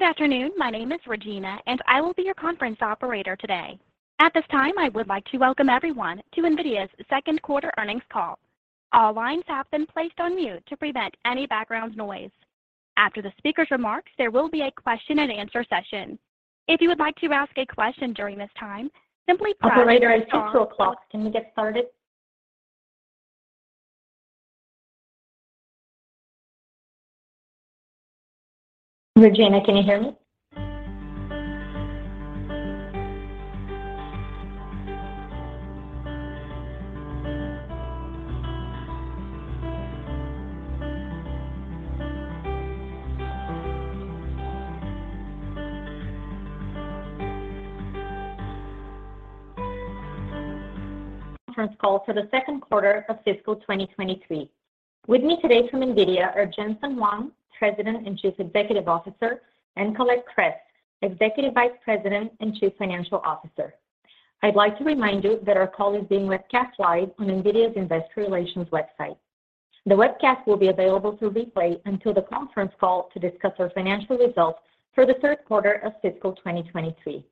Good afternoon. My name is Regina, and I will be your conference operator today. At this time, I would like to welcome everyone to NVIDIA's Q2 Earnings Call. All lines have been placed on mute to prevent any background noise. After the speaker's remarks, there will be a question and answer session. If you would like to ask a question during this time, simply press star- Operator, it's 2:00 P.M. Can we get started? Regina, can you hear me? Conference call for the Q2 of fiscal 2023. With me today from NVIDIA are Jensen Huang, President and Chief Executive Officer, and Colette Kress, Executive Vice President and Chief Financial Officer. I'd like to remind you that our call is being webcast live on NVIDIA's Investor Relations website. The webcast will be available to replay until the conference call to discuss our financial results for the Q3 of fiscal 2023.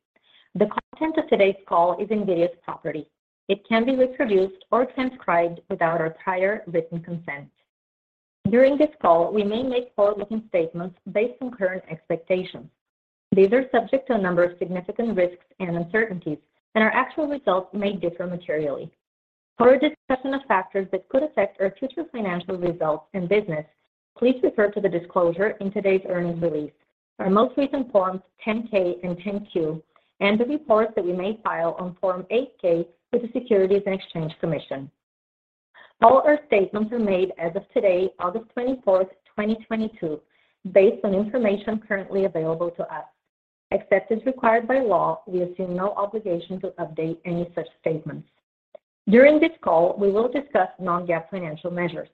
The content of today's call is NVIDIA's property. It can be reproduced or transcribed without our prior written consent. During this call, we may make forward-looking statements based on current expectations. These are subject to a number of significant risks and uncertainties, and our actual results may differ materially. For a discussion of factors that could affect our future financial results and business, please refer to the disclosure in today's earnings release, our most recent Form 10-K and 10-Q, and the reports that we may file on Form 8-K with the Securities and Exchange Commission. All our statements are made as of today, 24 August, 2022, based on information currently available to us. Except as required by law, we assume no obligation to update any such statements. During this call, we will discuss non-GAAP financial measures.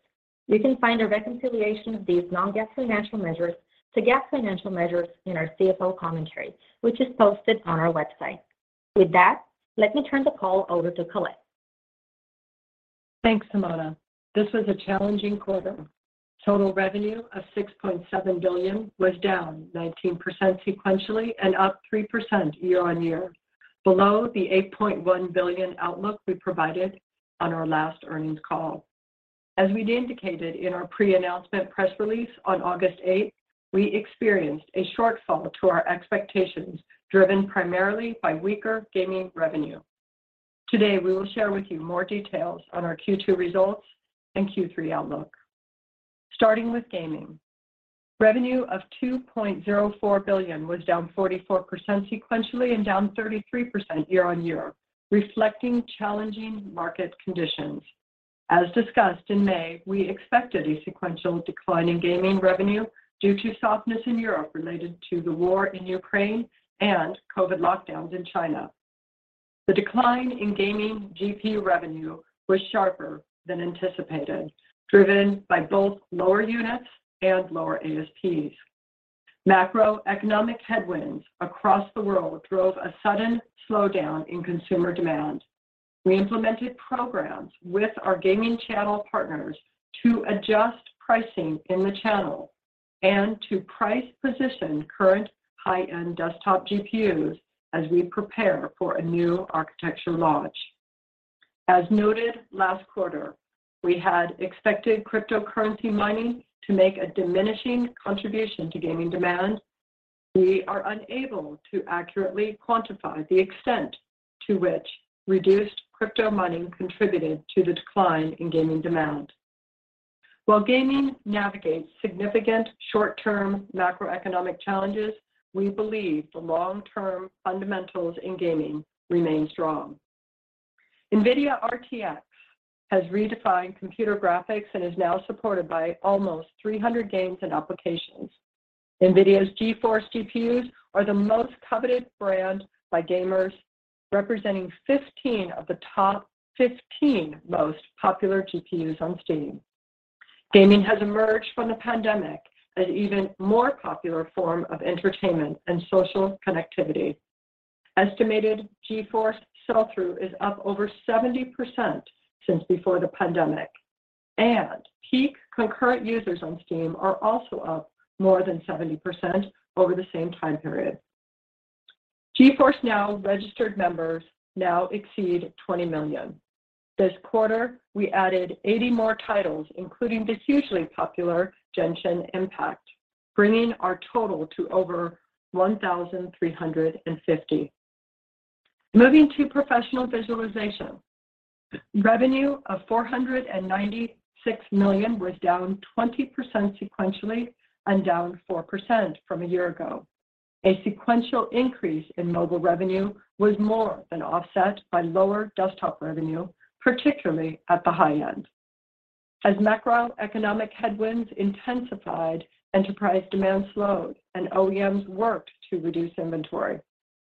You can find a reconciliation of these non-GAAP financial measures to GAAP financial measures in our CFO commentary, which is posted on our website. With that, let me turn the call over to Colette. Thanks, Simona. This was a challenging quarter. Total revenue of $6.7 billion was down 19% sequentially and up 3% year-on-year, below the $8.1 billion outlook we provided on our last earnings call. As we'd indicated in our pre-announcement press release on 8th August, we experienced a shortfall to our expectations, driven primarily by weaker gaming revenue. Today, we will share with you more details on our Q2 results and Q3 outlook. Starting with gaming. Revenue of $2.04 billion was down 44% sequentially and down 33% year-on-year, reflecting challenging market conditions. As discussed in May, we expected a sequential decline in gaming revenue due to softness in Europe related to the war in Ukraine and COVID lockdowns in China. The decline in gaming GPU revenue was sharper than anticipated, driven by both lower units and lower ASPs. Macroeconomic headwinds across the world drove a sudden slowdown in consumer demand. We implemented programs with our gaming channel partners to adjust pricing in the channel and to price position current high-end desktop GPUs as we prepare for a new architecture launch. As noted last quarter, we had expected cryptocurrency mining to make a diminishing contribution to gaming demand. We are unable to accurately quantify the extent to which reduced crypto mining contributed to the decline in gaming demand. While gaming navigates significant short-term macroeconomic challenges, we believe the long-term fundamentals in gaming remain strong. NVIDIA RTX has redefined computer graphics and is now supported by almost 300 games and applications. NVIDIA's GeForce GPUs are the most coveted brand by gamers, representing 15 of the top 15 most popular GPUs on Steam. Gaming has emerged from the pandemic as an even more popular form of entertainment and social connectivity. Estimated GeForce sell-through is up over 70% since before the pandemic, and peak concurrent users on Steam are also up more than 70% over the same time period. GeForce now registered members now exceed 20 million. This quarter, we added 80 more titles, including the hugely popular Genshin Impact, bringing our total to over 1,350. Moving to Professional Visualization. Revenue of $496 million was down 20% sequentially and down 4% from a year ago. A sequential increase in mobile revenue was more than offset by lower desktop revenue, particularly at the high end. As macroeconomic headwinds intensified, enterprise demand slowed, and OEMs worked to reduce inventory.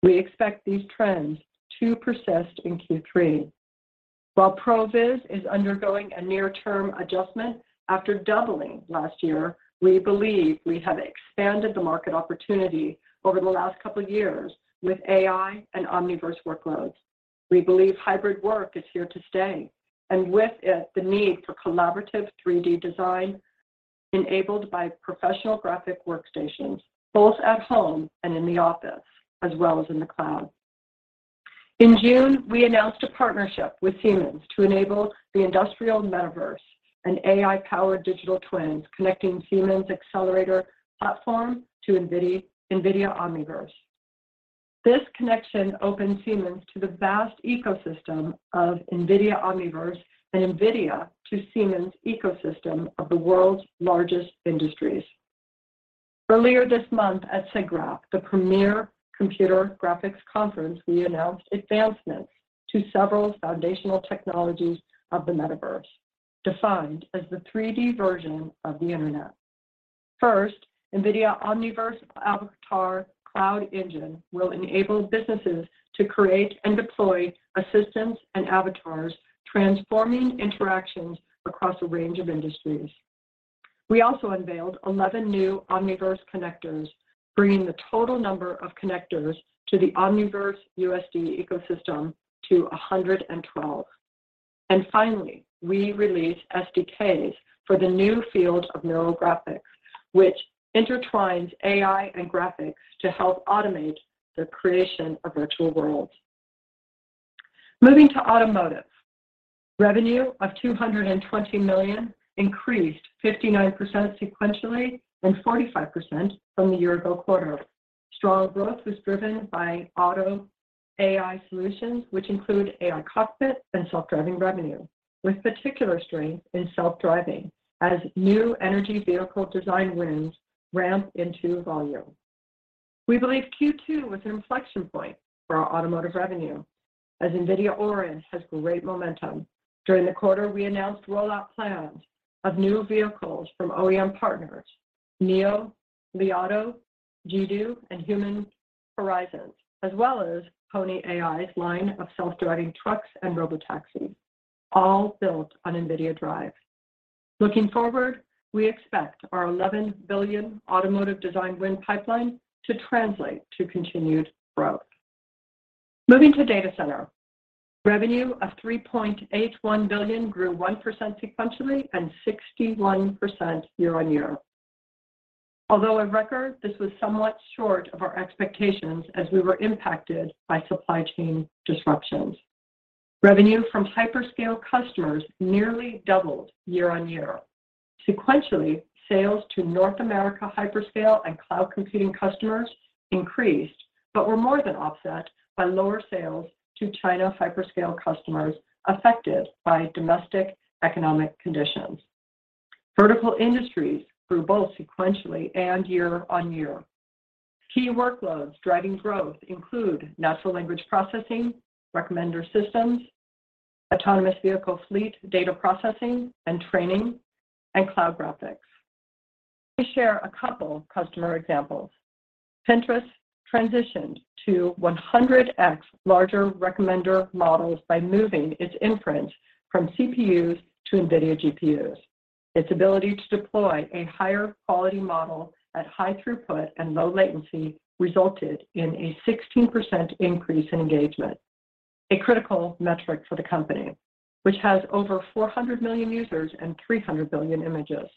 We expect these trends to persist in Q3. While ProViz is undergoing a near-term adjustment after doubling last year, we believe we have expanded the market opportunity over the last couple of years with AI and Omniverse workloads. We believe hybrid work is here to stay, and with it, the need for collaborative 3D design enabled by professional graphic workstations, both at home and in the office, as well as in the cloud. In June, we announced a partnership with Siemens to enable the industrial Metaverse and AI-powered digital twins connecting Siemens' Xcelerator platform to NVIDIA Omniverse. This connection opens Siemens to the vast ecosystem of NVIDIA Omniverse and NVIDIA to Siemens ecosystem of the world's largest industries. Earlier this month at SIGGRAPH, the Premier Computer Graphics Conference, we announced advancements to several foundational technologies of the Metaverse, defined as the 3D version of the Internet. First, NVIDIA Omniverse Avatar Cloud Engine will enable businesses to create and deploy assistants and avatars, transforming interactions across a range of industries. We also unveiled 11 new Omniverse connectors, bringing the total number of connectors to the Omniverse USD ecosystem to 112. Finally, we released SDKs for the new field of neural graphics, which intertwines AI and graphics to help automate the creation of virtual worlds. Moving to automotive. Revenue of $220 million increased 59% sequentially and 45% from the year-ago quarter. Strong growth was driven by auto AI solutions, which include AI cockpit and self-driving revenue, with particular strength in self-driving as new energy vehicle design wins ramp into volume. We believe Q2 was an inflection point for our automotive revenue as NVIDIA Orin has great momentum. During the quarter, we announced rollout plans of new vehicles from OEM partners NIO, Li Auto, Jidu, and Human Horizons, as well as Pony AI's line of self-driving trucks and robotaxis, all built on NVIDIA DRIVE. Looking forward, we expect our $11 billion automotive design win pipeline to translate to continued growth. Moving to data center. Revenue of $3.81 billion grew 1% sequentially and 61% year-on-year. Although a record, this was somewhat short of our expectations as we were impacted by supply chain disruptions. Revenue from hyperscale customers nearly doubled year-on-year. Sequentially, sales to North America hyperscale and cloud computing customers increased, but were more than offset by lower sales to China hyperscale customers affected by domestic economic conditions. Vertical industries grew both sequentially and year-on-year. Key workloads driving growth include natural language processing, recommender systems, autonomous vehicle fleet data processing and training, and cloud graphics. Let me share a couple customer examples. Pinterest transitioned to 100x larger recommender models by moving its inference from CPUs to NVIDIA GPUs. Its ability to deploy a higher quality model at high throughput and low latency resulted in a 16% increase in engagement, a critical metric for the company, which has over 400 million users and 300 billion images.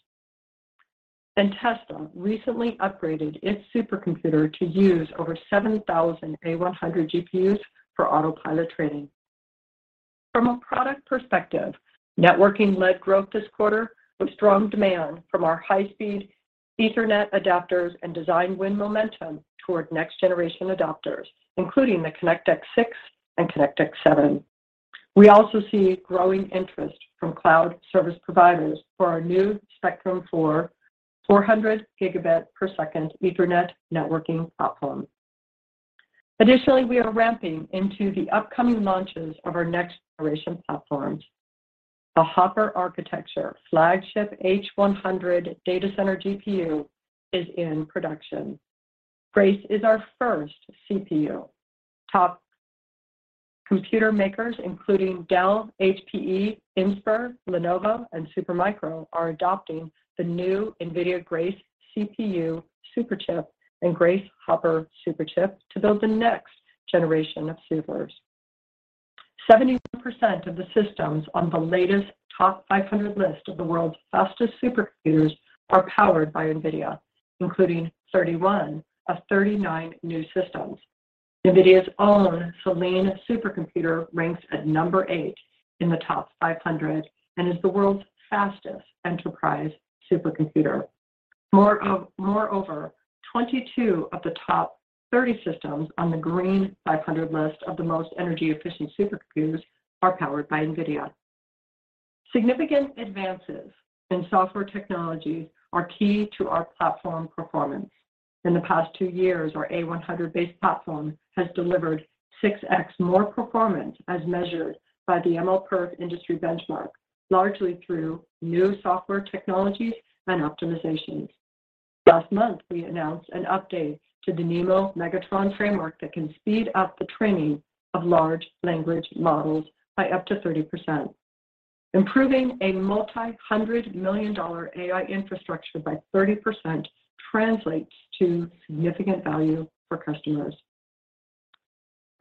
Tesla recently upgraded its supercomputer to use over 7,000 A100 GPUs for autopilot training. From a product perspective, networking led growth this quarter with strong demand from our high-speed Ethernet adapters and design win momentum toward next generation adopters, including the ConnectX-6 and ConnectX-7. We also see growing interest from cloud service providers for our new Spectrum-4, 400 Gb per second Ethernet networking platform. Additionally, we are ramping into the upcoming launches of our next generation platforms. The Hopper architecture flagship H100 data center GPU is in production. Grace is our first CPU. Top computer makers including Dell, HPE, Inspur, Lenovo, and Supermicro are adopting the new NVIDIA Grace CPU Superchip and Grace Hopper Superchip to build the next generation of supers. 71% of the systems on the latest TOP500 list of the world's fastest supercomputers are powered by NVIDIA, including 31 of 39 new systems. NVIDIA's own Selene supercomputer ranks at number eight in the TOP500 and is the world's fastest enterprise supercomputer. Moreover, 22 of the top 30 systems on the Green500 list of the most energy-efficient supercomputers are powered by NVIDIA. Significant advances in software technologies are key to our platform performance. In the past two years, our A100-based platform has delivered 6X more performance as measured by the MLPerf industry benchmark, largely through new software technologies and optimizations. Last month, we announced an update to the NeMo Megatron framework that can speed up the training of large language models by up to 30%. Improving a multi-hundred million-dollar AI infrastructure by 30% translates to significant value for customers.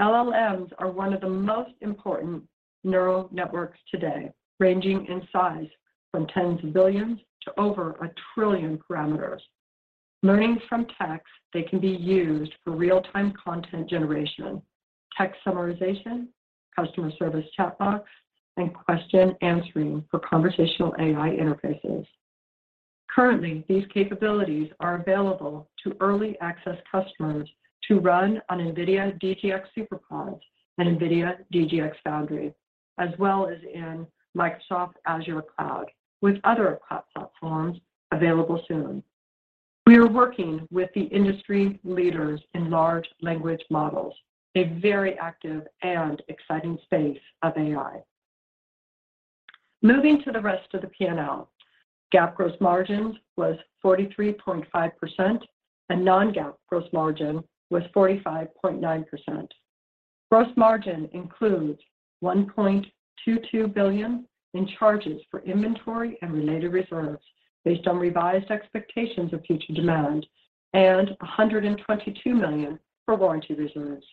LLMs are one of the most important neural networks today, ranging in size from tens of billions to over a trillion parameters. Learning from text, they can be used for real-time content generation, text summarization, customer service chat bots, and question answering for conversational AI interfaces. Currently, these capabilities are available to early access customers to run on NVIDIA DGX SuperPOD and NVIDIA DGX Foundry, as well as in Microsoft Azure cloud, with other cloud platforms available soon. We are working with the industry leaders in large language models, a very active and exciting space of AI. Moving to the rest of the P&L. GAAP gross margin was 43.5% and non-GAAP gross margin was 45.9%. Gross margin includes $1.22 billion in charges for inventory and related reserves based on revised expectations of future demand and $122 million for warranty reserves.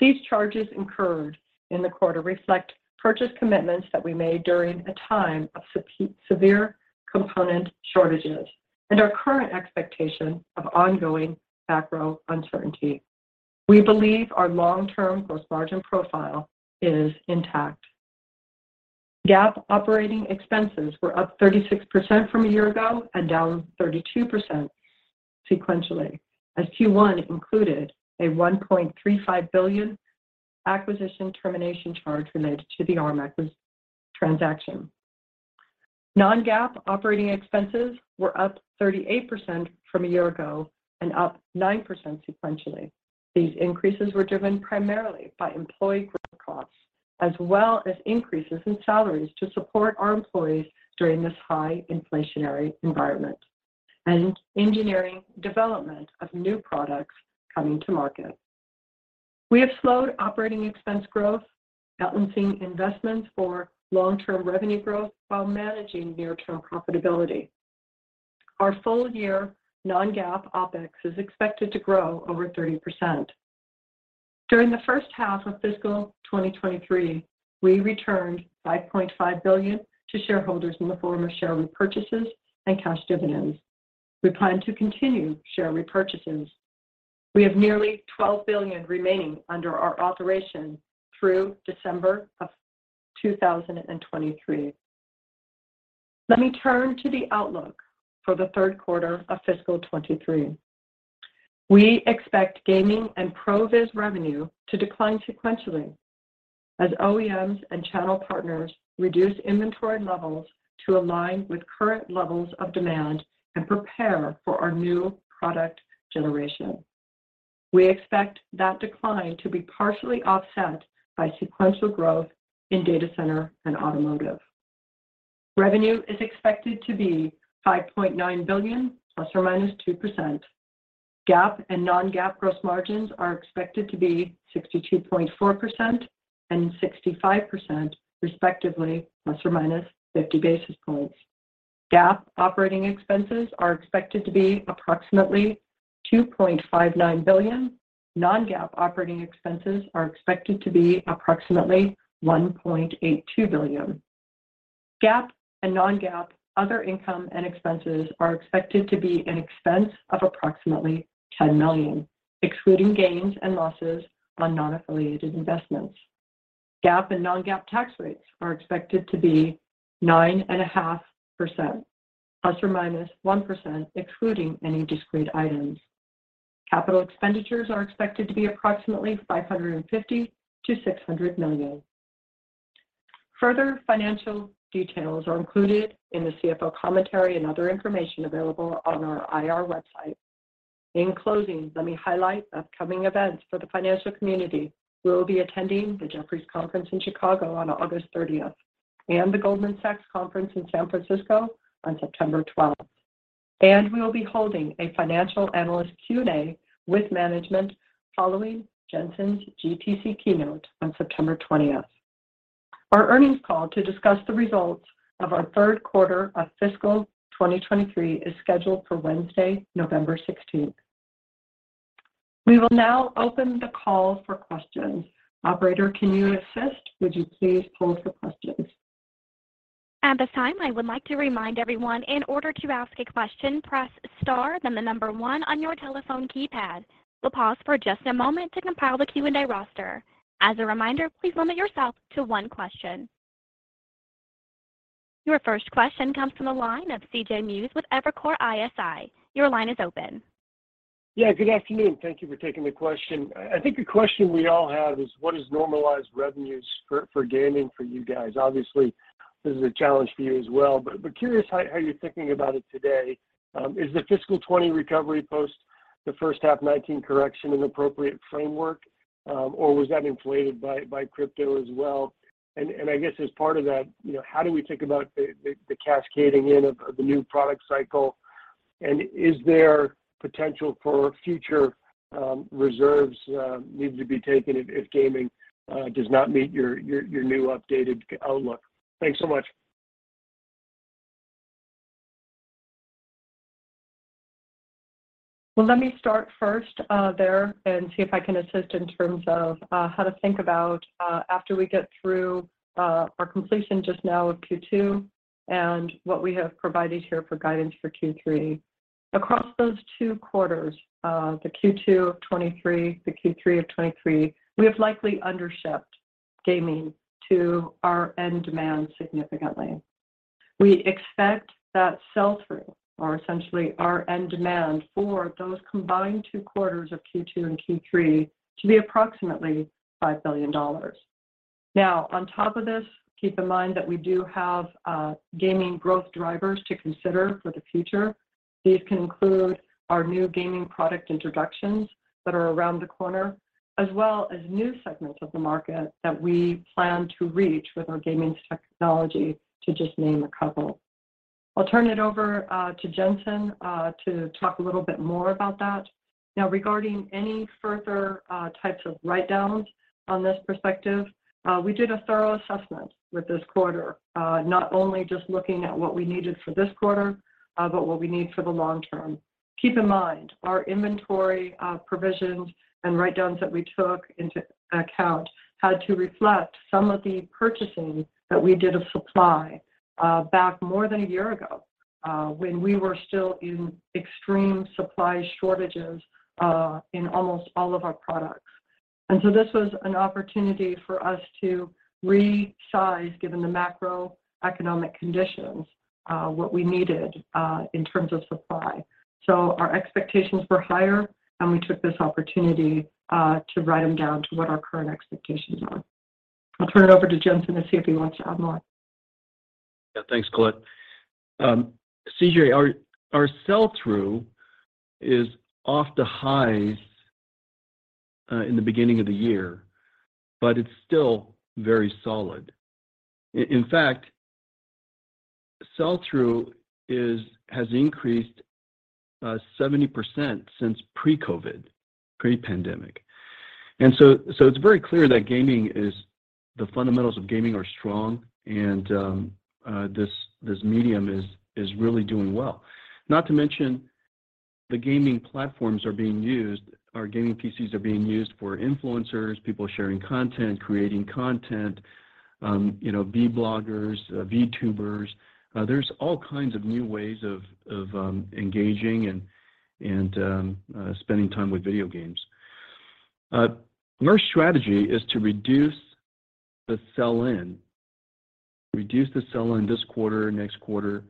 These charges incurred in the quarter reflect purchase commitments that we made during a time of severe component shortages and our current expectation of ongoing macro uncertainty. We believe our long-term gross margin profile is intact. GAAP operating expenses were up 36% from a year ago and down 32% sequentially, as Q1 included a $1.35 billion acquisition termination charge related to the Arm [record] transaction. Non-GAAP operating expenses were up 38% from a year ago and up 9% sequentially. These increases were driven primarily by employee growth costs, as well as increases in salaries to support our employees during this high inflationary environment and engineering development of new products coming to market. We have slowed operating expense growth, balancing investments for long-term revenue growth while managing near-term profitability. Our full year non-GAAP OpEx is expected to grow over 30%. During the H1 of fiscal 2023, we returned $5.5 billion to shareholders in the form of share repurchases and cash dividends. We plan to continue share repurchases. We have nearly $12 billion remaining under our authorization through December of 2023. Let me turn to the outlook for the Q3 of fiscal 2023. We expect gaming and ProViz revenue to decline sequentially as OEMs and channel partners reduce inventory levels to align with current levels of demand and prepare for our new product generation. We expect that decline to be partially offset by sequential growth in data center and automotive. Revenue is expected to be $5.9 billion ±2%. GAAP and non-GAAP gross margins are expected to be 62.4% and 65% respectively, ±50 basis points. GAAP operating expenses are expected to be approximately $2.59 billion. Non-GAAP operating expenses are expected to be approximately $1.82 billion. GAAP and non-GAAP other income and expenses are expected to be an expense of approximately $10 million, excluding gains and losses on non-affiliated investments. GAAP and non-GAAP tax rates are expected to be 9.5% ±1%, excluding any discrete items. Capital expenditures are expected to be approximately $550 million-$600 million. Further financial details are included in the CFO commentary and other information available on our IR website. In closing, let me highlight upcoming events for the financial community. We will be attending the Jefferies Conference in Chicago on 30 August and the Goldman Sachs Conference in San Francisco on 12 September. We will be holding a financial analyst Q&A with management following Jensen's GTC keynote on 20 September. Our earnings call to discuss the results of our Q3 of fiscal 2023 is scheduled for Wednesday, 16 November. We will now open the call for questions. Operator, can you assist? Would you please pose the questions. At this time, I would like to remind everyone in order to ask a question, press star then the number one on your telephone keypad. We'll pause for just a moment to compile the Q&A roster. As a reminder, please limit yourself to one question. Your first question comes from the line of C.J. Muse with Evercore ISI. Your line is open. Yeah. Good afternoon. Thank you for taking the question. I think the question we all have is what is normalized revenues for gaming for you guys? Obviously, this is a challenge for you as well. But curious how you're thinking about it today. Is the fiscal 2020 recovery post the H1 2019 correction an appropriate framework, or was that inflated by crypto as well? I guess as part of that, you know, how do we think about the cascading in of the new product cycle? Is there potential for future reserves needed to be taken if gaming does not meet your new updated outlook? Thanks so much. Let me start there and see if I can assist in terms of how to think about after we get through our completion just now of Q2 and what we have provided here for guidance for Q3. Across those two quarters, the Q2 of 2023, the Q3 of 2023, we have likely undershipped gaming to our end demand significantly. We expect that sell-through, or essentially our end demand for those combined two quarters of Q2 and Q3, to be approximately $5 billion. Now on top of this, keep in mind that we do have gaming growth drivers to consider for the future. These can include our new gaming product introductions that are around the corner, as well as new segments of the market that we plan to reach with our gaming technology, to just name a couple. I'll turn it over to Jensen to talk a little bit more about that. Now, regarding any further types of write-downs on this perspective, we did a thorough assessment with this quarter, not only just looking at what we needed for this quarter, but what we need for the long term. Keep in mind, our inventory provisions and write-downs that we took into account had to reflect some of the purchasing that we did of supply back more than a year ago, when we were still in extreme supply shortages in almost all of our products. This was an opportunity for us to resize, given the macroeconomic conditions, what we needed in terms of supply. Our expectations were higher, and we took this opportunity to write them down to what our current expectations are. I'll turn it over to Jensen to see if he wants to add more. Yeah. Thanks, Colette. C.J., our sell-through is off the highs in the beginning of the year, but it's still very solid. In fact, sell-through has increased 70% since pre-COVID, pre-pandemic. It's very clear that the fundamentals of gaming are strong and this medium is really doing well. Not to mention the gaming platforms are being used, our gaming PCs are being used for influencers, people sharing content, creating content, you know, vloggers, VTubers. There's all kinds of new ways of engaging and spending time with video games. Our strategy is to reduce the sell-in this quarter, next quarter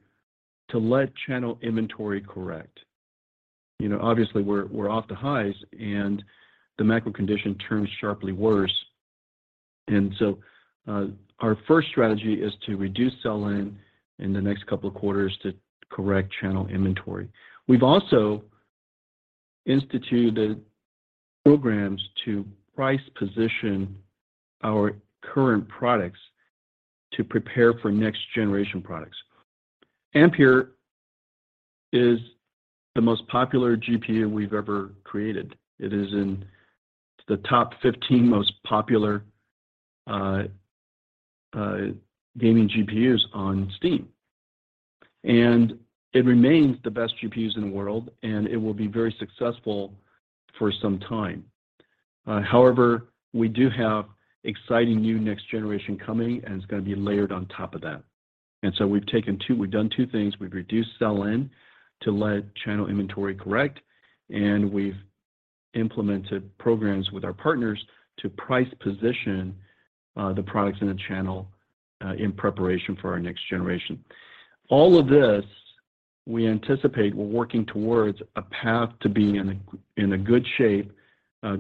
to let channel inventory correct. You know, obviously we're off the highs and the macro condition turns sharply worse. Our first strategy is to reduce sell-in in the next couple of quarters to correct channel inventory. We've also instituted programs to price position our current products to prepare for next-generation products. Ampere is the most popular GPU we've ever created. It is in the top 15 most popular gaming GPUs on Steam. It remains the best GPUs in the world, and it will be very successful for some time. However, we do have exciting new next generation coming, and it's gonna be layered on top of that. We've done two things. We've reduced sell-in to let channel inventory correct, and we've implemented programs with our partners to price position, the products in the channel in preparation for our next generation. All of this, we anticipate we're working towards a path to being in a good shape,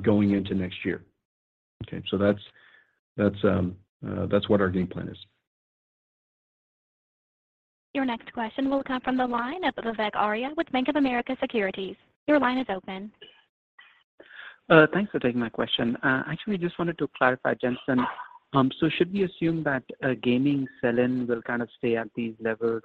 going into next year. Okay, that's what our game plan is. Your next question will come from the line of Vivek Arya with Bank of America Securities. Your line is open. Thanks for taking my question. Actually just wanted to clarify, Jensen. Should we assume that gaming sell-in will kind of stay at these levels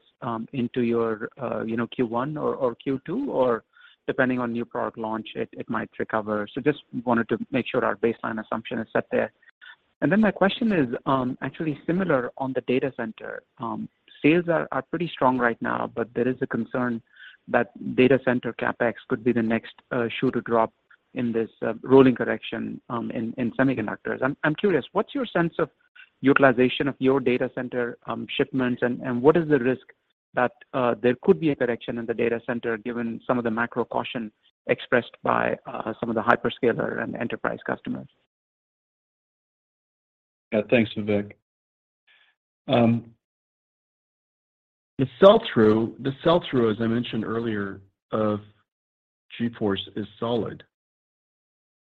into your you know Q1 or Q2? Or depending on new product launch, it might recover. Just wanted to make sure our baseline assumption is set there. My question is actually similar on the data center. Sales are pretty strong right now, but there is a concern that data center CapEx could be the next shoe to drop in this rolling correction in semiconductors. I'm curious, what's your sense of utilization of your data center shipments? What is the risk that there could be a correction in the data center given some of the macro caution expressed by some of the hyperscaler and enterprise customers? Yeah. Thanks, Vivek. The sell-through, as I mentioned earlier, of GeForce is solid.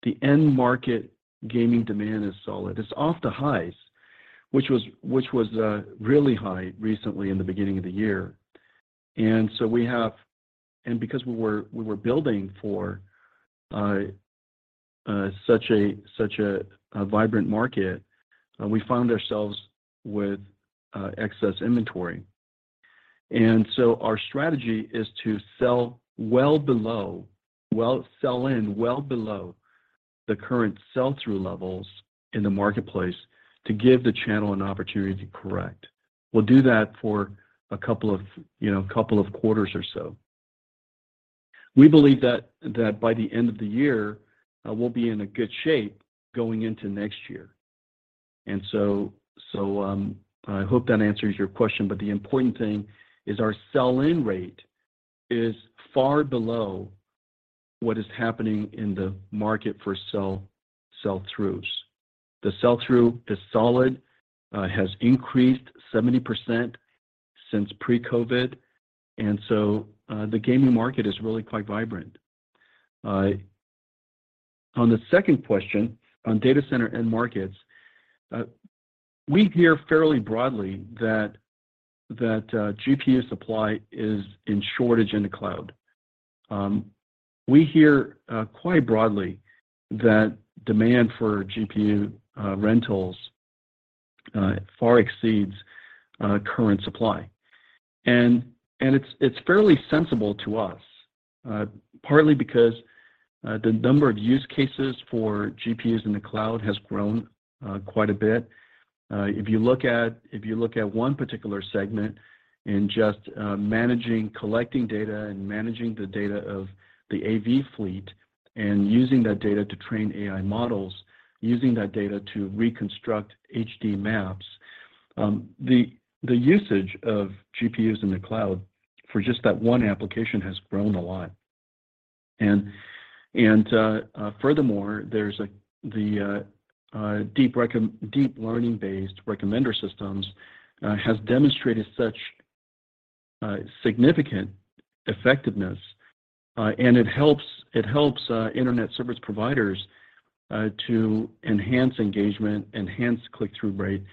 The end market gaming demand is solid. It's off the highs, which was really high recently in the beginning of the year. Because we were building for such a vibrant market, we found ourselves with excess inventory. Our strategy is to sell in well below the current sell-through levels in the marketplace to give the channel an opportunity to correct. We'll do that for a couple of, you know, quarters or so. We believe that by the end of the year, we'll be in a good shape going into next year. I hope that answers your question, but the important thing is our sell-in rate is far below what is happening in the market for sell-throughs. The sell-through is solid, has increased 70% since pre-COVID, the gaming market is really quite vibrant. On the second question on data center end markets, we hear fairly broadly that GPU supply is in shortage in the cloud. We hear quite broadly that demand for GPU rentals far exceeds current supply. It's fairly sensible to us, partly because the number of use cases for GPUs in the cloud has grown quite a bit. If you look at one particular segment in just managing, collecting data and managing the data of the AV fleet and using that data to train AI models, using that data to reconstruct HD maps, the usage of GPUs in the cloud for just that one application has grown a lot. Furthermore, there's the deep learning-based recommender systems has demonstrated such significant effectiveness, and it helps Internet Service Providers to enhance engagement, click-through rate.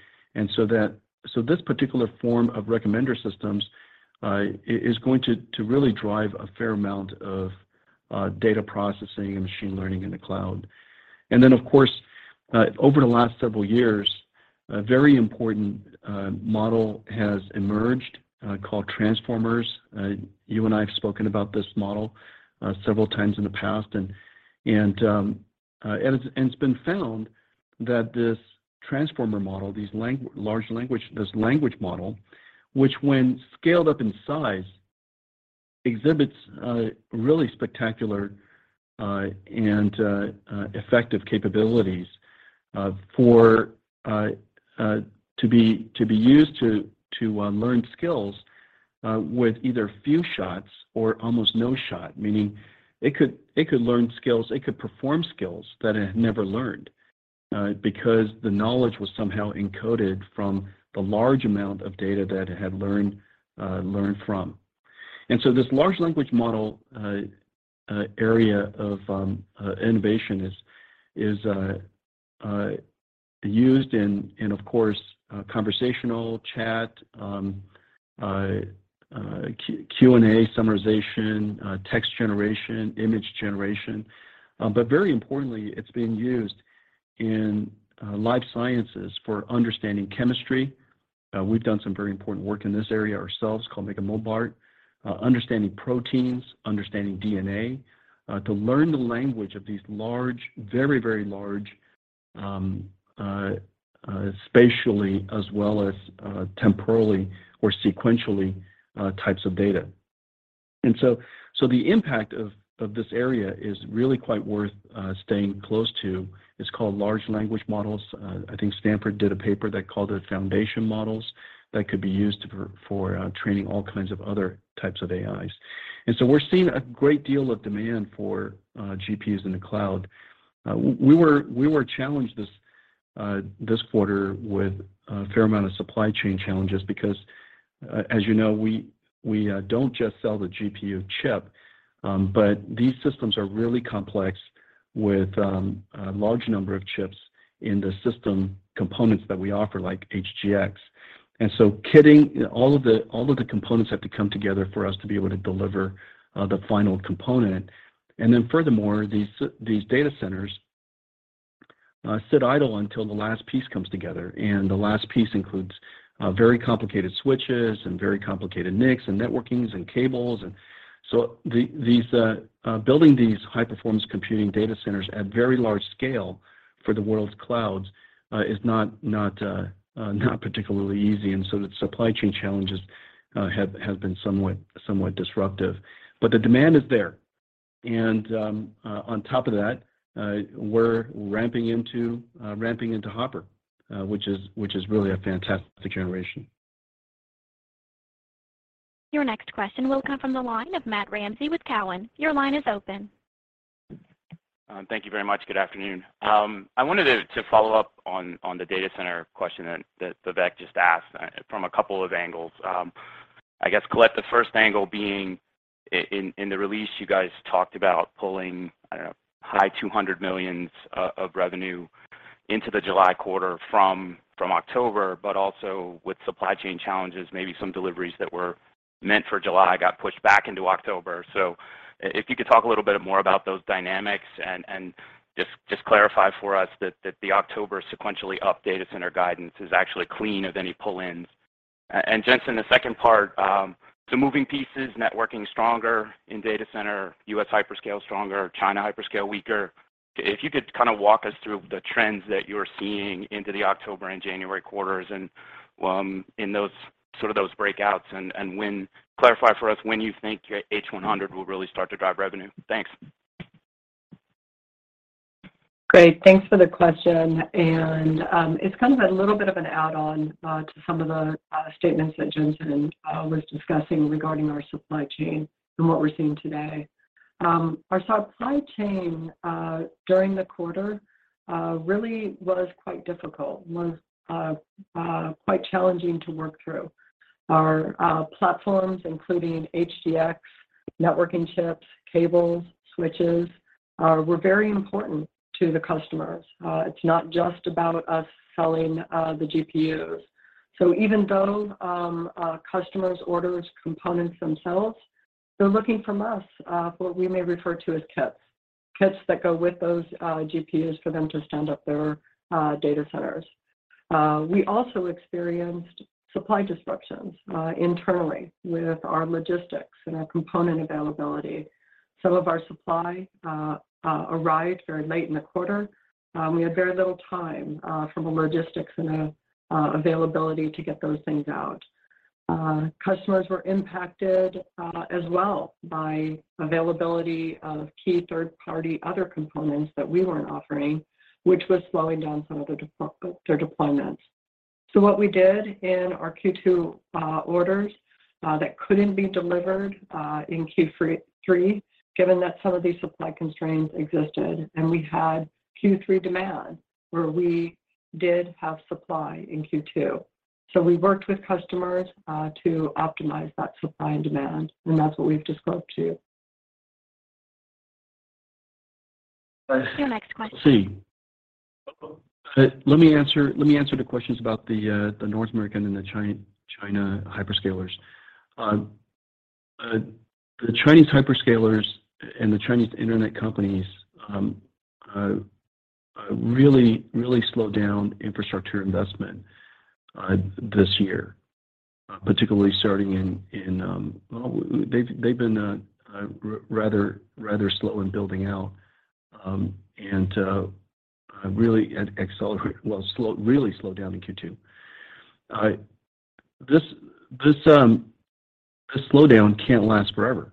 This particular form of recommender systems is going to really drive a fair amount of data processing and machine learning in the cloud. Then of course, over the last several years, a very important model has emerged called transformers. You and I have spoken about this model several times in the past. It's been found that this transformer model, this large language model, which when scaled up in size exhibits really spectacular and effective capabilities to be used to learn skills with either few shots or almost no shot. Meaning it could learn skills, it could perform skills that it had never learned because the knowledge was somehow encoded from the large amount of data that it had learned from. This large language model area of innovation is used in, of course, conversational chat, Q&A summarization, text generation, image generation. Very importantly, it's being used in life sciences for understanding chemistry. We've done some very important work in this area ourselves called MegaMolBART. Understanding proteins, understanding DNA, to learn the language of these large, very large, spatially as well as temporally or sequentially types of data. The impact of this area is really quite worth staying close to. It's called large language models. I think Stanford did a paper that called it foundation models that could be used for training all kinds of other types of AIs. We're seeing a great deal of demand for GPUs in the cloud. We were challenged this quarter with a fair amount of supply chain challenges because as you know, we don't just sell the GPU chip. These systems are really complex with a large number of chips in the system components that we offer, like HGX. Kitting, all of the components have to come together for us to be able to deliver the final component. Furthermore, these data centers sit idle until the last piece comes together. The last piece includes very complicated switches and very complicated NICs and networking and cables. These building these high-performance computing data centers at very large scale for the world's clouds is not particularly easy. The supply chain challenges have been somewhat disruptive. The demand is there. On top of that, we're ramping into Hopper, which is really a fantastic generation. Your next question will come from the line of Matt Ramsay with Cowen. Your line is open. Thank you very much. Good afternoon. I wanted to follow up on the data center question that Vivek just asked from a couple of angles. I guess, Colette, the first angle being in the release, you guys talked about pulling, I don't know, high $200 million of revenue into the July quarter from October, but also with supply chain challenges, maybe some deliveries that were meant for July got pushed back into October. If you could talk a little bit more about those dynamics and just clarify for us that the October sequentially up data center guidance is actually clean of any pull-ins. Jensen, the second part, the moving pieces, networking stronger in data center, U.S. hyperscale stronger, China hyperscale weaker. If you could kind of walk us through the trends that you're seeing into the October and January quarters and in those sort of breakouts, and clarify for us when you think H100 will really start to drive revenue. Thanks. Great. Thanks for the question. It's kind of a little bit of an add-on to some of the statements that Jensen was discussing regarding our supply chain and what we're seeing today. Our supply chain during the quarter really was quite difficult, quite challenging to work through. Our platforms, including HGX, networking chips, cables, switches, were very important to the customers. It's not just about us selling the GPUs. Even though our customers order components themselves, they're looking from us what we may refer to as kits that go with those GPUs for them to stand up their data centers. We also experienced supply disruptions internally with our logistics and our component availability. Some of our supply arrived very late in the quarter. We had very little time, from a logistics and a availability to get those things out. Customers were impacted, as well by availability of key third-party other components that we weren't offering, which was slowing down some of their deployments. What we did in our Q2 orders that couldn't be delivered in Q3, given that some of these supply constraints existed, and we had Q3 demand where we did have supply in Q2. We worked with customers to optimize that supply and demand, and that's what we've disclosed to you. Your next question... Let's see. Let me answer the questions about the North American and the China hyperscalers. The Chinese hyperscalers and the Chinese internet companies really slowed down infrastructure investment this year, particularly starting in, they've been rather slow in building out and really slowed down in Q2. This slowdown can't last forever.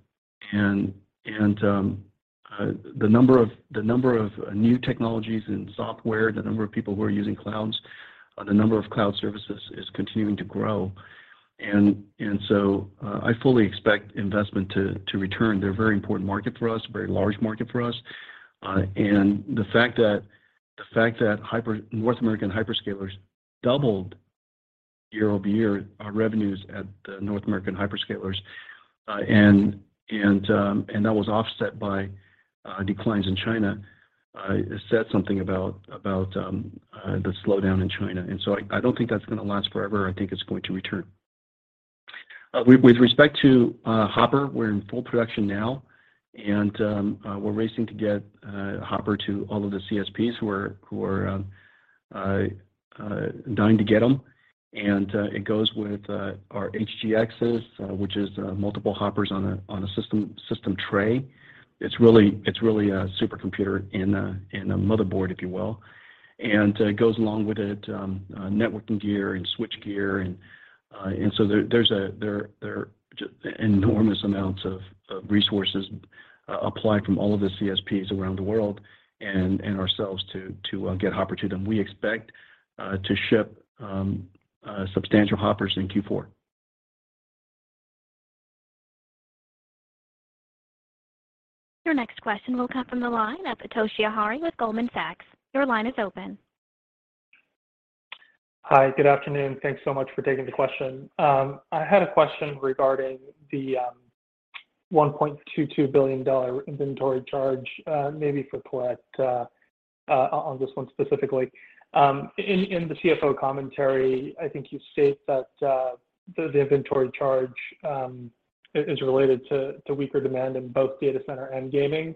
The number of new technologies and software, the number of people who are using clouds, the number of cloud services is continuing to grow. I fully expect investment to return. They're a very important market for us, a very large market for us. The fact that North American hyperscalers doubled year-over-year revenues at the North American hyperscalers and that was offset by declines in China says something about the slowdown in China. I don't think that's gonna last forever. I think it's going to return. With respect to Hopper, we're in full production now, and we're racing to get Hopper to all of the CSPs who are dying to get them. It goes with our HGXs, which is multiple Hoppers on a system tray. It's really a supercomputer in a motherboard, if you will. It goes along with it, networking gear and switch gear. There are just enormous amounts of resources applied from all of the CSPs around the world and ourselves to get Hopper to them. We expect to ship substantial Hoppers in Q4. Your next question will come from the line of Toshiya Hari with Goldman Sachs. Your line is open. Hi. Good afternoon. Thanks so much for taking the question. I had a question regarding the $1.22 billion inventory charge, maybe for Colette, on this one specifically. In the CFO commentary, I think you state that the inventory charge is related to weaker demand in both data center and gaming.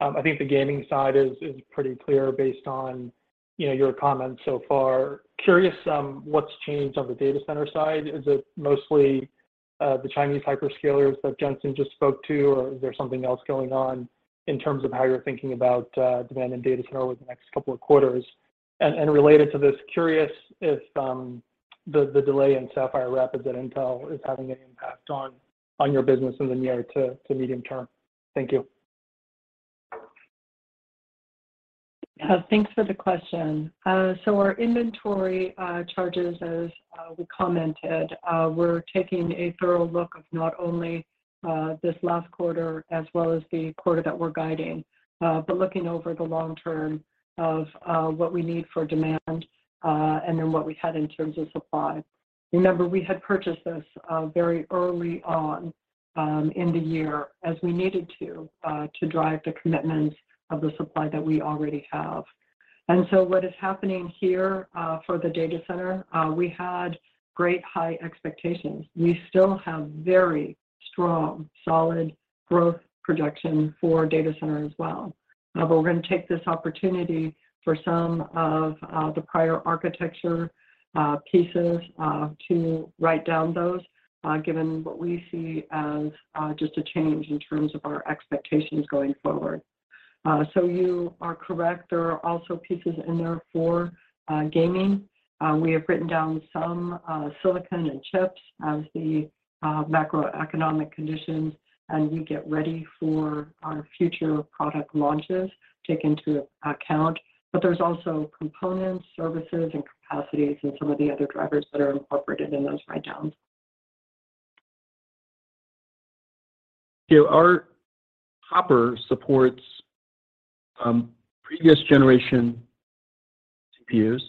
I think the gaming side is pretty clear based on, you know, your comments so far. Curious, what's changed on the data center side. Is it mostly the Chinese hyperscalers that Jensen just spoke to, or is there something else going on in terms of how you're thinking about demand in data center over the next couple of quarters? Related to this, curious if the delay in Sapphire Rapids at Intel is having any impact on your business in the near to medium term. Thank you. Thanks for the question. So our inventory charges, as we commented, we're taking a thorough look at not only this last quarter as well as the quarter that we're guiding, but looking over the long term of what we need for demand and then what we had in terms of supply. Remember, we had purchased this very early on in the year as we needed to drive the commitments of the supply that we already have. What is happening here for the data center, we had great high expectations. We still have very strong, solid growth projection for data center as well. We're gonna take this opportunity for some of the prior architecture pieces to write down those given what we see as just a change in terms of our expectations going forward. You are correct, there are also pieces in there for gaming. We have written down some silicon and chips as the macroeconomic conditions, as we get ready for our future product launches take into account. There's also components, services, and capacities, and some of the other drivers that are incorporated in those write downs. Yeah. Our Hopper supports previous generation CPUs.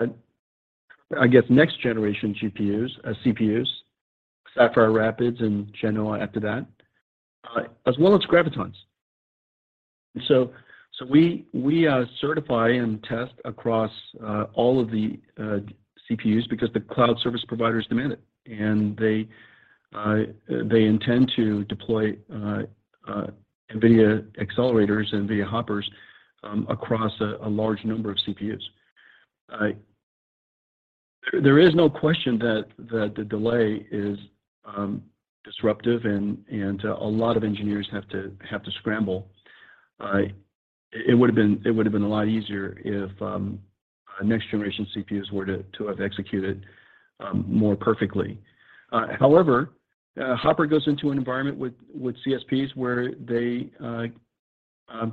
I guess next generation GPUs, CPUs, Sapphire Rapids and Genoa after that, as well as Graviton. We certify and test across all of the CPUs because the cloud service providers demand it. They intend to deploy NVIDIA accelerators, NVIDIA Hoppers, across a large number of CPUs. There is no question that the delay is disruptive and a lot of engineers have to scramble. It would have been a lot easier if next generation CPUs were to have executed more perfectly. However, Hopper goes into an environment with CSPs where they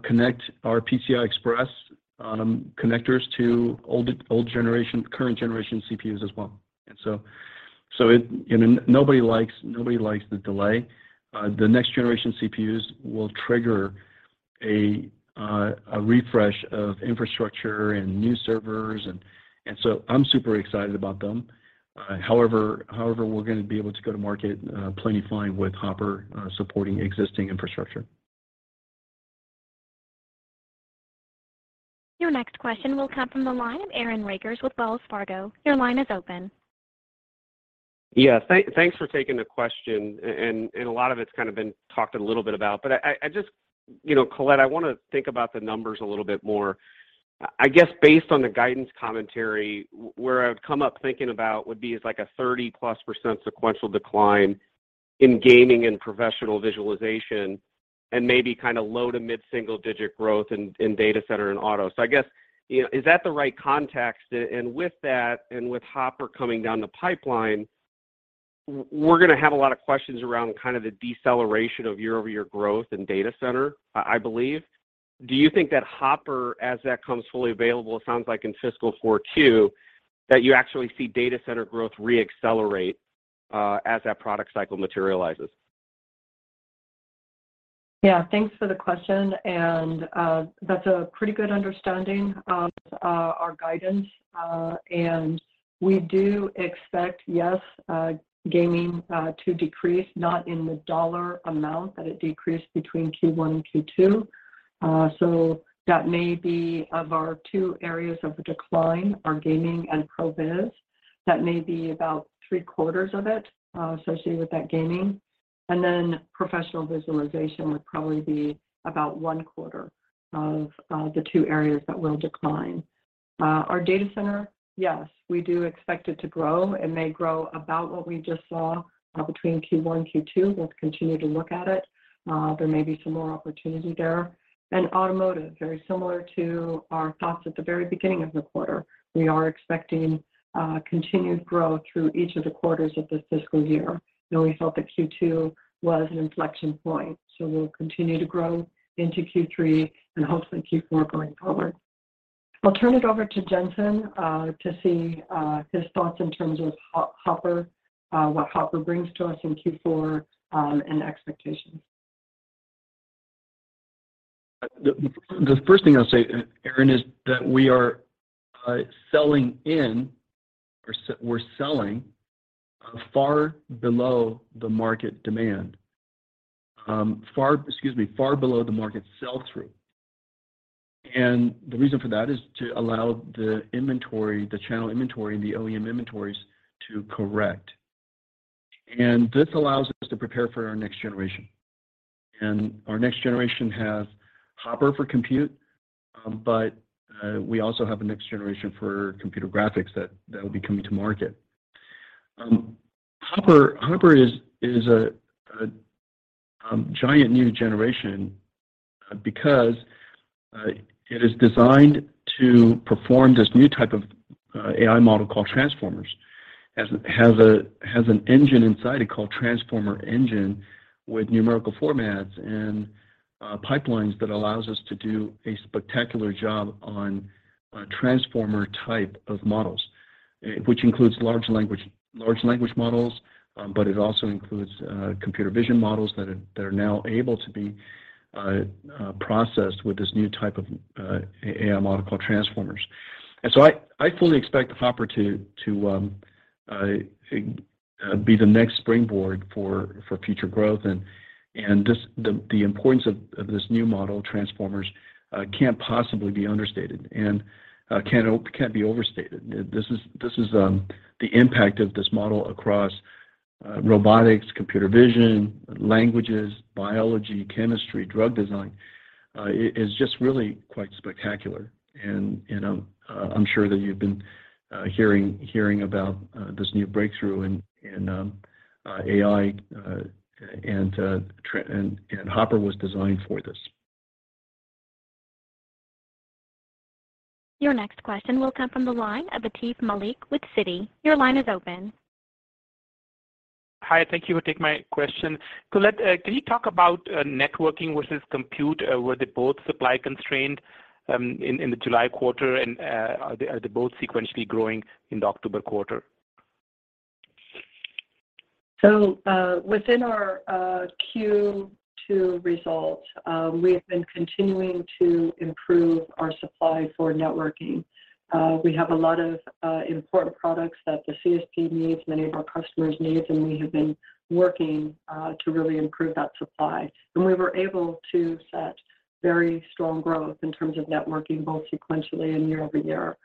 connect our PCI Express connectors to old generation, current generation CPUs as well. You know, nobody likes the delay. The next generation CPUs will trigger a refresh of infrastructure and new servers and so I'm super excited about them. However, we're gonna be able to go to market plenty fine with Hopper, supporting existing infrastructure. Your next question will come from the line of Aaron Rakers with Wells Fargo. Your line is open. Yeah. Thanks for taking the question. A lot of it's kinda been talked a little bit about. I just, you know, Colette, I wanna think about the numbers a little bit more. I guess based on the guidance commentary, where I've come up thinking about would be is like a 30%+ sequential decline in gaming and professional visualization, and maybe kinda low- to mid-single-digit growth in data center and auto. I guess, you know, is that the right context? With that, and with Hopper coming down the pipeline, we're gonna have a lot of questions around kind of the deceleration of year-over-year growth in data center, I believe. Do you think that Hopper, as that comes fully available, it sounds like in fiscal 2024, that you actually see data center growth re-accelerate, as that product cycle materializes? Yeah. Thanks for the question. That's a pretty good understanding of our guidance. We do expect, yes, gaming to decrease, not in the dollar amount that it decreased between Q1 and Q2. That may be two of our areas of decline, our gaming and ProViz. That may be about three-quarters of it associated with that gaming. Professional visualization would probably be about one quarter of the two areas that will decline. Our data center, yes, we do expect it to grow. It may grow about what we just saw between Q1 and Q2. We'll continue to look at it. There may be some more opportunity there. Automotive, very similar to our thoughts at the very beginning of the quarter. We are expecting continued growth through each of the quarters of this fiscal year. You know, we felt that Q2 was an inflection point, so we'll continue to grow into Q3 and hopefully Q4 going forward. I'll turn it over to Jensen to see his thoughts in terms of Hopper, what Hopper brings to us in Q4, and expectations. The first thing I'll say, Aaron, is that we're selling in, far below the market sell-through. The reason for that is to allow the inventory, the channel inventory and the OEM inventories to correct. This allows us to prepare for our next generation. Our next generation has Hopper for compute, but we also have a next generation for computer graphics that will be coming to market. Hopper is a giant new generation because it is designed to perform this new type of AI model called Transformers. It has an engine inside it called Transformer Engine with numerical formats and pipelines that allows us to do a spectacular job on a Transformer type of models, which includes large language models, but it also includes computer vision models that are now able to be processed with this new type of AI model called Transformers. I fully expect Hopper to be the next springboard for future growth. The importance of this new model, Transformers, can't possibly be understated and can't be overstated. This is the impact of this model across robotics, computer vision, languages, biology, chemistry, drug design. It is just really quite spectacular. You know, I'm sure that you've been hearing about this new breakthrough in AI, and Hopper was designed for this. Your next question will come from the line of Aatif Malik with Citigroup. Your line is open. Hi, thank you for taking my question. Colette, can you talk about networking versus compute? Were they both supply constrained in the July quarter, and are they both sequentially growing in the October quarter? Within our Q2 results, we have been continuing to improve our supply for networking. We have a lot of important products that the CSP needs, many of our customers needs, and we have been working to really improve that supply. We were able to see very strong growth in terms of networking, both sequentially and year-over-year.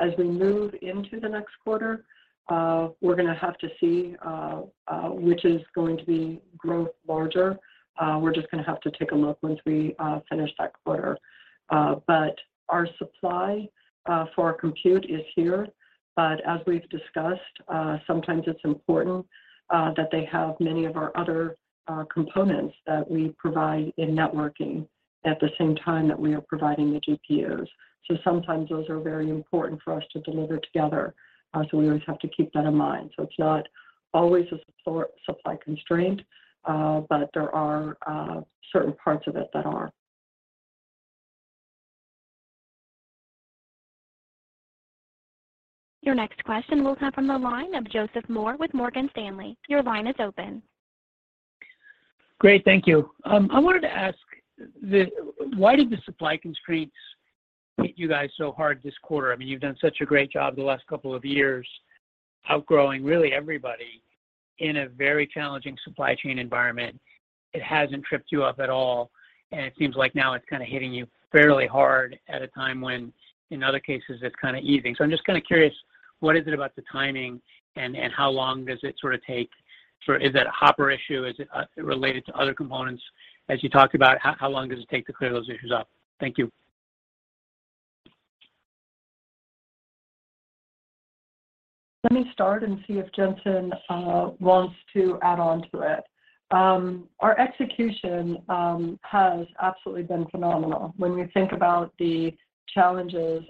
As we move into the next quarter, we're gonna have to see which is going to be growth larger. We're just gonna have to take a look once we finish that quarter. Our supply for compute is here. As we've discussed, sometimes it's important that they have many of our other components that we provide in networking at the same time that we are providing the GPUs. Sometimes those are very important for us to deliver together, so we always have to keep that in mind. It's not always a supply constraint, but there are certain parts of it that are. Your next question will come from the line of Joseph Moore with Morgan Stanley. Your line is open. Great, thank you. I wanted to ask why did the supply constraints hit you guys so hard this quarter? I mean, you've done such a great job the last couple of years outgrowing really everybody in a very challenging supply chain environment. It hasn't tripped you up at all, and it seems like now it's kinda hitting you fairly hard at a time when, in other cases, it's kinda easing. I'm just kinda curious, what is it about the timing and how long does it sorta take? Is it a Hopper issue? Is it related to other components? As you talked about, how long does it take to clear those issues up? Thank you. Let me start and see if Jensen wants to add on to it. Our execution has absolutely been phenomenal. When we think about the challenges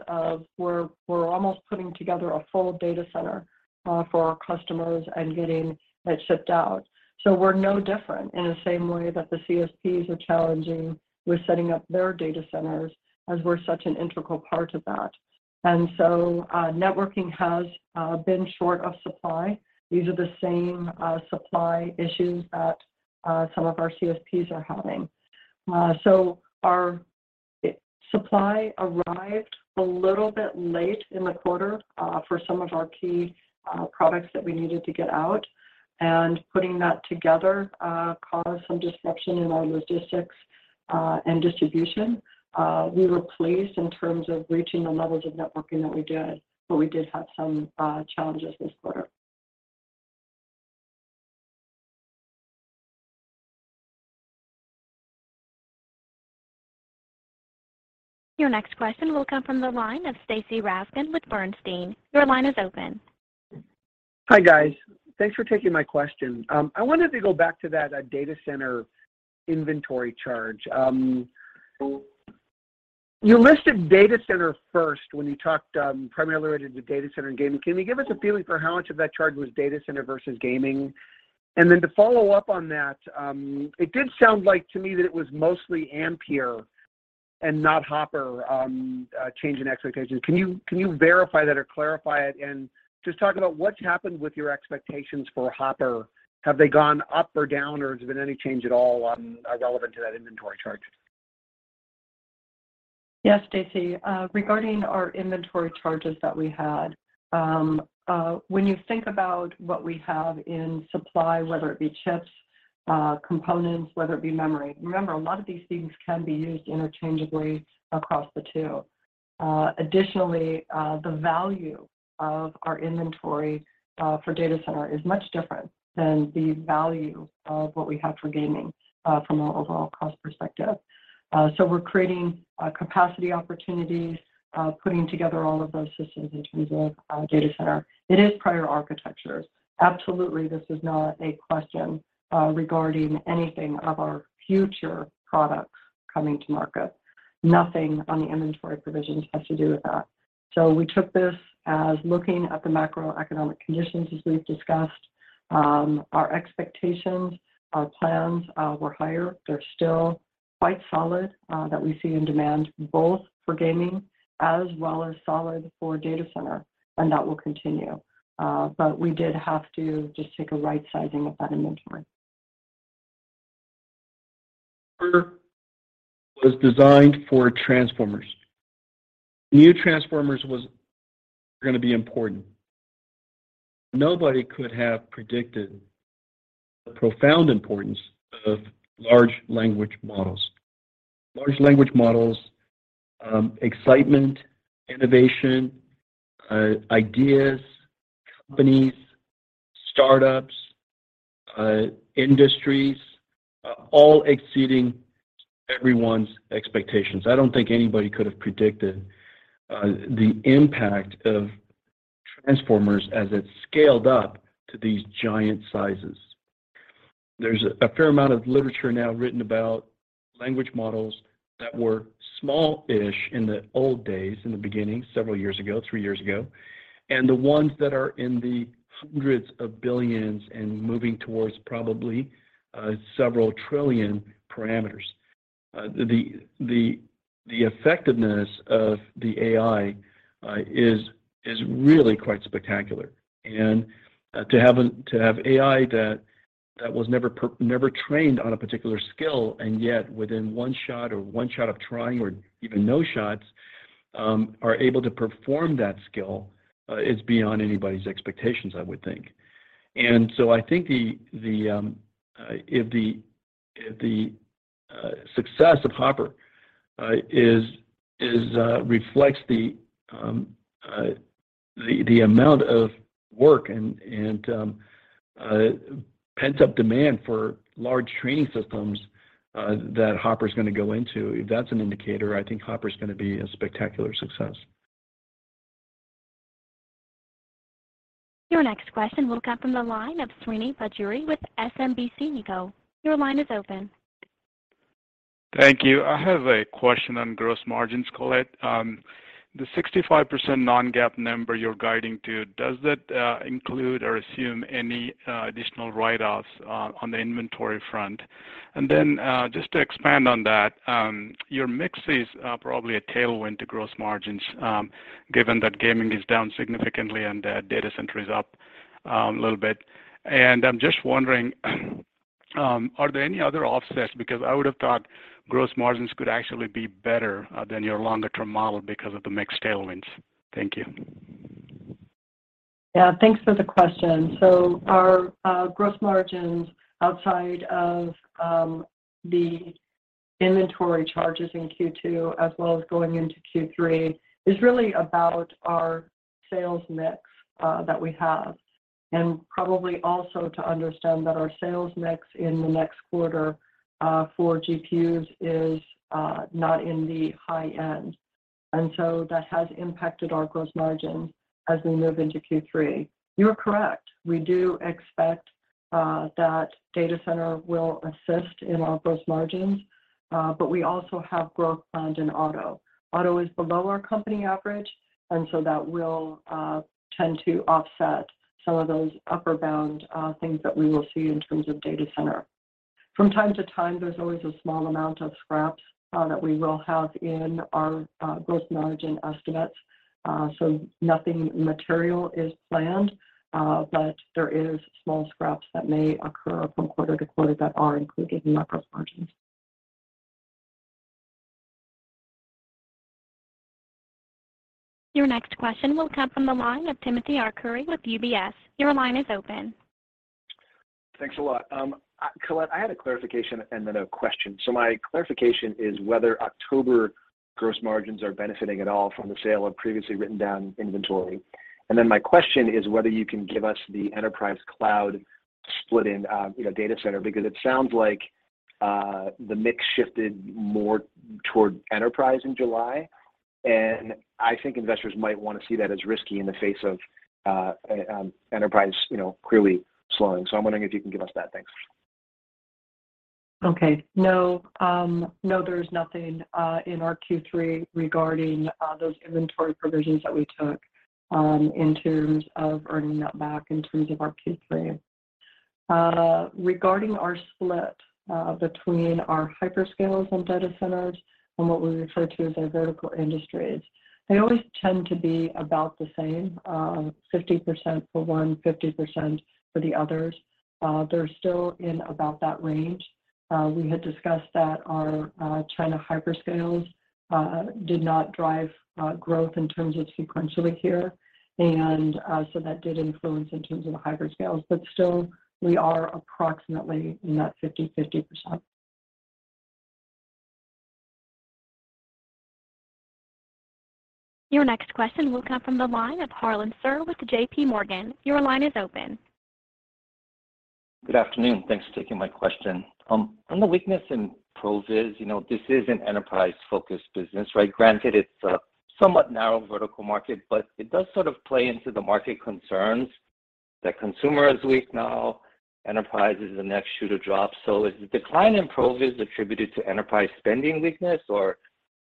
we're almost putting together a full data center for our customers and getting it shipped out. We're no different in the same way that the CSPs are challenged with setting up their data centers, as we're such an integral part of that. Networking has been in short supply. These are the same supply issues that some of our CSPs are having. Our supply arrived a little bit late in the quarter for some of our key products that we needed to get out. Putting that together caused some disruption in our logistics and distribution. We were pleased in terms of reaching the levels of networking that we did, but we did have some challenges this quarter. Your next question will come from the line of Stacy Rasgon with Bernstein. Your line is open. Hi, guys. Thanks for taking my question. I wanted to go back to that, data center inventory charge. You listed data center first when you talked, primarily related to data center and gaming. Can you give us a feeling for how much of that charge was data center versus gaming? To follow up on that, it did sound like to me that it was mostly Ampere and not Hopper, change in expectations. Can you verify that or clarify it and just talk about what's happened with your expectations for Hopper? Have they gone up or down, or has there been any change at all, relevant to that inventory charge? Yes, Stacy. Regarding our inventory charges that we had, when you think about what we have in supply, whether it be chips, components, whether it be memory. Remember, a lot of these things can be used interchangeably across the two. Additionally, the value of our inventory, for data center is much different than the value of what we have for gaming, from an overall cost perspective. We're creating, capacity opportunities, putting together all of those systems in terms of, data center. It is prior architectures. Absolutely, this is not a question, regarding anything of our future products coming to market. Nothing on the inventory provisions has to do with that. We took this as looking at the macroeconomic conditions, as we've discussed. Our expectations, our plans, were higher. They're still quite solid, that we see in demand both for gaming as well as solid for data center, and that will continue. We did have to just take a right sizing of that inventory. Was designed for transformers. New transformers was gonna be important. Nobody could have predicted the profound importance of large language models. Large language models, excitement, innovation, ideas, companies, startups, industries, all exceeding everyone's expectations. I don't think anybody could have predicted the impact of transformers as it scaled up to these giant sizes. There's a fair amount of literature now written about language models that were small-ish in the old days, in the beginning, several years ago, three years ago. The ones that are in the hundreds of billions and moving towards probably several trillion parameters. The effectiveness of the AI is really quite spectacular. To have AI that was never trained on a particular skill, and yet within one shot of trying or even no shots are able to perform that skill is beyond anybody's expectations, I would think. I think if the success of Hopper reflects the amount of work and pent-up demand for large training systems that Hopper is gonna go into, if that's an indicator, I think Hopper is gonna be a spectacular success. Your next question will come from the line of Srini Pajjuri with SMBC Nikko. Your line is open. Thank you. I have a question on gross margins, Colette. The 65% non-GAAP number you're guiding to, does that include or assume any additional write-offs on the inventory front? Then, just to expand on that, your mix is probably a tailwind to gross margins, given that gaming is down significantly and that data center is up a little bit. I'm just wondering, are there any other offsets? Because I would have thought gross margins could actually be better than your longer term model because of the mix tailwinds. Thank you. Yeah, thanks for the question. Our gross margins outside of the inventory charges in Q2 as well as going into Q3 is really about our sales mix that we have, and probably also to understand that our sales mix in the next quarter for GPUs is not in the high end. That has impacted our gross margin as we move into Q3. You're correct. We do expect that data center will assist in our gross margins, but we also have growth planned in auto. Auto is below our company average, and that will tend to offset some of those upper bound things that we will see in terms of data center. From time to time, there's always a small amount of scraps that we will have in our gross margin estimates. Nothing material is planned, but there is small scraps that may occur from quarter to quarter that are included in our gross margins. Your next question will come from the line of Timothy Arcuri with UBS. Your line is open. Thanks a lot. Colette, I had a clarification and then a question. My clarification is whether October gross margins are benefiting at all from the sale of previously written down inventory. Then my question is whether you can give us the enterprise cloud split in, you know, data center, because it sounds like the mix shifted more toward enterprise in July? I think investors might wanna see that as risky in the face of enterprise, you know, clearly slowing. I'm wondering if you can give us that. Thanks. No, there's nothing in our Q3 regarding those inventory provisions that we took in terms of earning that back in terms of our Q3. Regarding our split between our hyperscalers and data centers and what we refer to as our vertical industries, they always tend to be about the same, 50% for one, 50% for the others. They're still in about that range. We had discussed that our China hyperscalers did not drive growth in terms of sequentially here. That did influence in terms of the hyperscalers, but still we are approximately in that 50%-50%. Your next question will come from the line of Harlan Sur with JPMorgan. Your line is open. Good afternoon. Thanks for taking my question. On the weakness in ProViz, you know, this is an enterprise-focused business, right? Granted, it's a somewhat narrow vertical market, but it does sort of play into the market concerns that consumer is weak now. Enterprise is the next shoe to drop. Is the decline in ProViz attributed to enterprise spending weakness or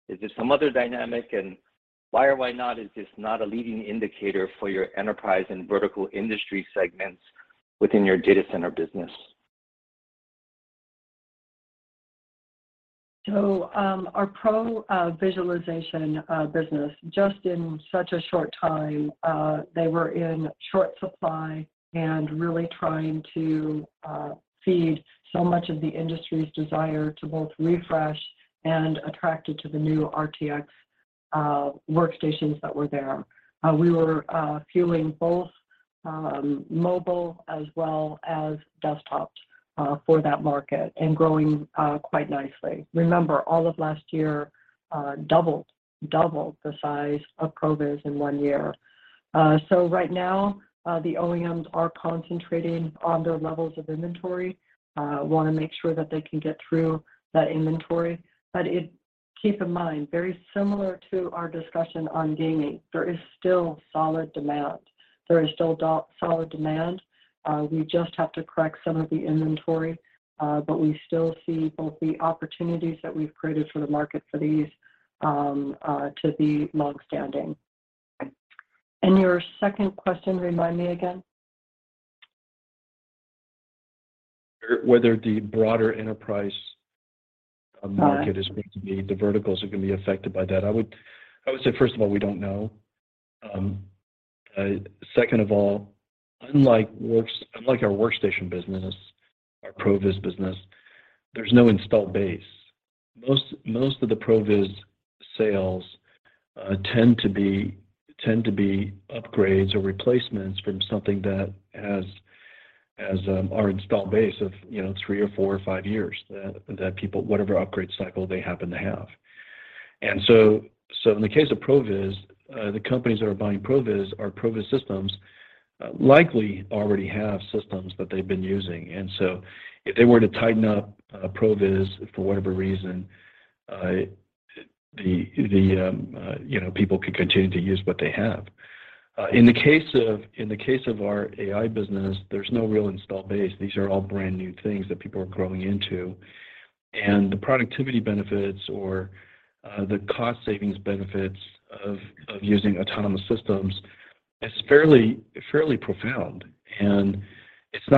is it some other dynamic, and why or why not is this not a leading indicator for your enterprise and vertical industry segments within your data center business? Our Pro Visualization business, just in such a short time, they were in short supply and really trying to feed so much of the industry's desire to both refresh and attracted to the new RTX workstations that were there. We were fueling both mobile as well as desktops for that market and growing quite nicely. Remember, all of last year, doubled the size of ProViz in one year. Right now, the OEMs are concentrating on their levels of inventory, wanna make sure that they can get through that inventory. Keep in mind, very similar to our discussion on gaming, there is still solid demand. There is still solid demand. We just have to correct some of the inventory, but we still see both the opportunities that we've created for the market for these to be longstanding. Your second question, remind me again. Whether the broader enterprise market, the verticals, are going to be affected by that. I would say, first of all, we don't know. Second of all, unlike our workstation business, our ProViz business, there's no installed base. Most of the ProViz sales tend to be upgrades or replacements from something that has our installed base of, you know, three or four or five years that people whatever upgrade cycle they happen to have. In the case of ProViz, the companies that are buying ProViz or ProViz systems likely already have systems that they've been using. If they were to tighten up ProViz for whatever reason, the you know, people could continue to use what they have. In the case of our AI business, there's no real installed base. These are all brand-new things that people are growing into. The productivity benefits or the cost savings benefits of using autonomous systems is fairly profound. It's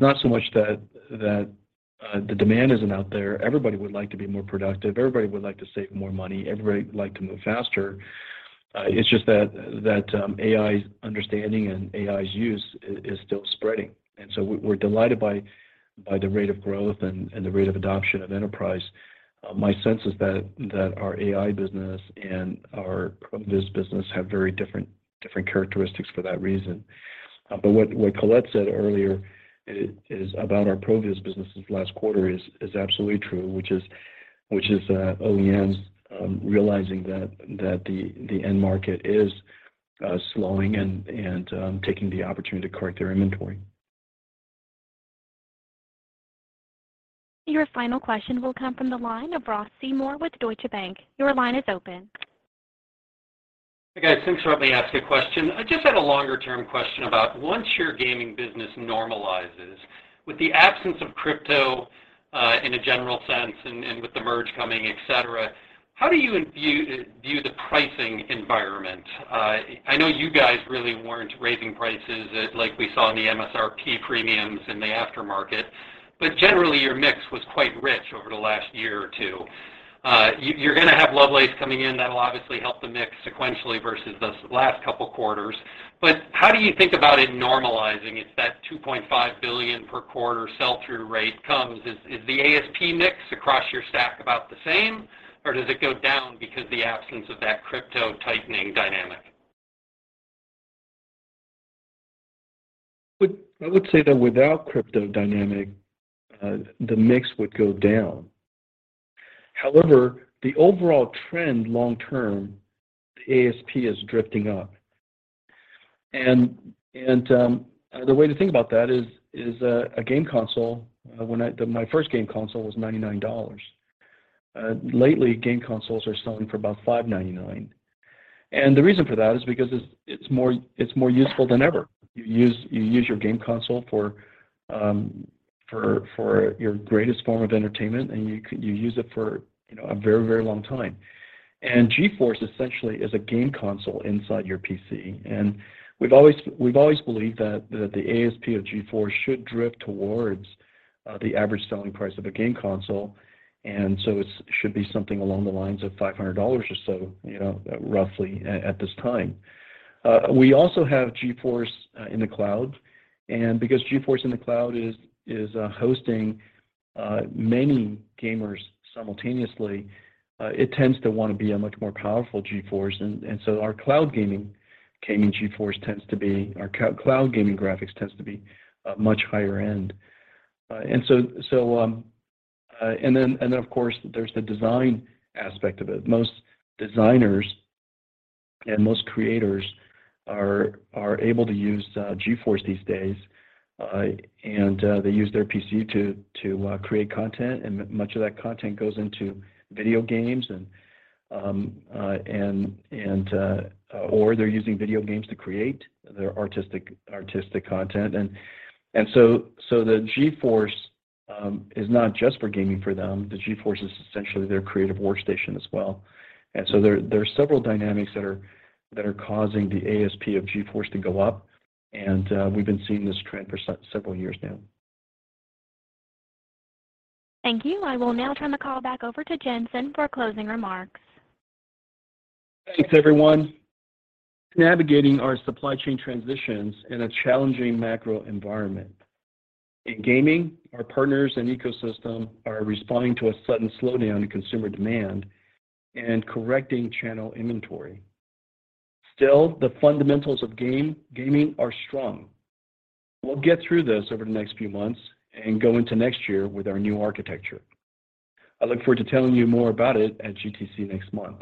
not so much that the demand isn't out there. Everybody would like to be more productive. Everybody would like to save more money. Everybody would like to move faster. It's just that AI's understanding and AI's use is still spreading. We're delighted by the rate of growth and the rate of adoption of enterprise. My sense is that our AI business and our ProViz business have very different characteristics for that reason. What Colette said earlier is about our ProViz business this last quarter is absolutely true, which is OEMs realizing that the end market is slowing and taking the opportunity to correct their inventory. Your final question will come from the line of Ross Seymore with Deutsche Bank. Your line is open. Hey, guys. Thanks for letting me ask a question. I just had a longer-term question about once your gaming business normalizes, with the absence of crypto, in a general sense and with the merge coming, et cetera, how do you view the pricing environment? I know you guys really weren't raising prices unlike we saw in the MSRP premiums in the aftermarket, but generally, your mix was quite rich over the last year or two. You're gonna have Lovelace coming in. That'll obviously help the mix sequentially versus the last couple quarters. But how do you think about it normalizing if that $2.5 billion per quarter sell-through rate comes? Is the ASP mix across your stack about the same, or does it go down because the absence of that crypto tightening dynamic? I would say that without crypto dynamic, the mix would go down. However, the overall trend long term, the ASP is drifting up. The way to think about that is a game console, when my first game console was $99. Lately, game consoles are selling for about $599. The reason for that is because it's more useful than ever. You use your game console for your greatest form of entertainment, and you use it for, you know, a very long time. GeForce essentially is a game console inside your PC. We've always believed that the ASP of GeForce should drift towards the average selling price of a game console. It should be something along the lines of $500 or so, you know, roughly at this time. We also have GeForce in the cloud. Because GeForce in the cloud is hosting many gamers simultaneously, it tends to wanna be a much more powerful GeForce. Our cloud gaming graphics tends to be much higher end. Of course, there's the design aspect of it. Most designers and most creators are able to use GeForce these days, and they use their PC to create content, and much of that content goes into video games, or they're using video games to create their artistic content. The GeForce is not just for gaming for them. The GeForce is essentially their creative workstation as well. There are several dynamics that are causing the ASP of GeForce to go up, and we've been seeing this trend for several years now. Thank you. I will now turn the call back over to Jensen for closing remarks. Thanks, everyone. Navigating our supply chain transitions in a challenging macro environment. In gaming, our partners and ecosystem are responding to a sudden slowdown in consumer demand and correcting channel inventory. Still, the fundamentals of gaming are strong. We'll get through this over the next few months and go into next year with our new architecture. I look forward to telling you more about it at GTC next month.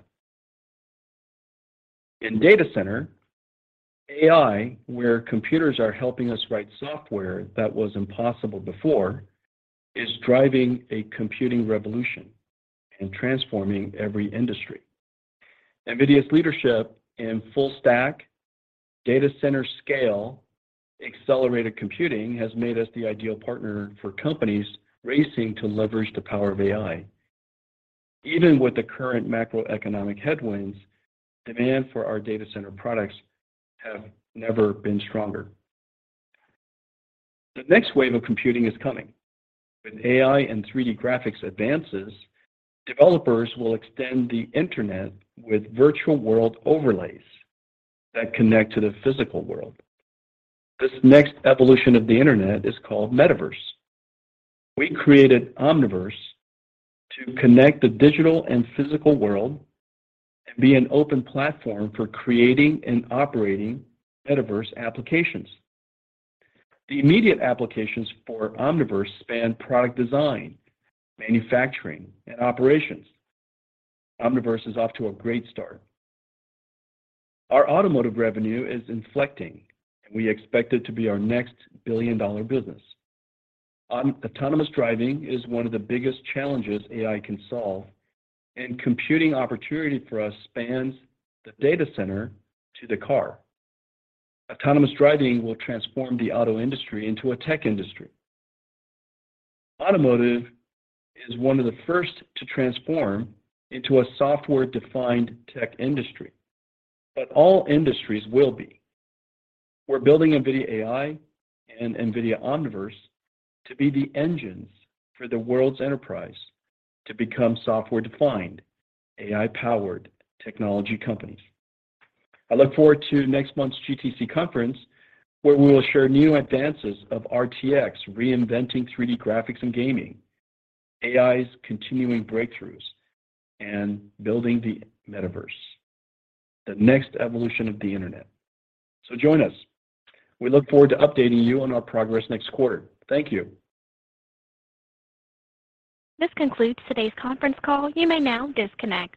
In data center, AI, where computers are helping us write software that was impossible before, is driving a computing revolution and transforming every industry. NVIDIA's leadership in full stack, data center scale, accelerated computing has made us the ideal partner for companies racing to leverage the power of AI. Even with the current macroeconomic headwinds, demand for our data center products have never been stronger. The next wave of computing is coming. With AI and 3D graphics advances, developers will extend the internet with virtual world overlays that connect to the physical world. This next evolution of the internet is called Metaverse. We created Omniverse to connect the digital and physical world and be an open platform for creating and operating Metaverse applications. The immediate applications for Omniverse span product design, manufacturing, and operations. Omniverse is off to a great start. Our automotive revenue is inflecting, and we expect it to be our next billion-dollar business. Autonomous driving is one of the biggest challenges AI can solve, and computing opportunity for us spans the data center to the car. Autonomous driving will transform the auto industry into a tech industry. Automotive is one of the first to transform into a software-defined tech industry, but all industries will be. We're building NVIDIA AI and NVIDIA Omniverse to be the engines for the world's enterprise to become software-defined, AI-powered technology companies. I look forward to next month's GTC conference, where we will share new advances of RTX reinventing 3D graphics and gaming, AI's continuing breakthroughs, and building the Metaverse, the next evolution of the Internet. Join us. We look forward to updating you on our progress next quarter. Thank you. This concludes today's conference call. You may now disconnect.